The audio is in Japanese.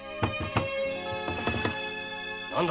何だ！